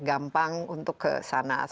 gampang untuk ke sana